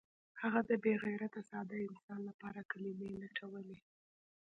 هغه د بې غیرته ساده انسان لپاره کلمې لټولې